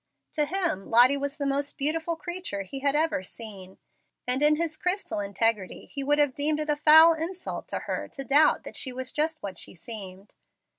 To him Lottie was the most beautiful creature he had ever seen, and in his crystal integrity he would have deemed it a foul insult to her to doubt that she was just what she seemed.